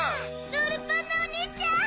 ロールパンナおねえちゃん！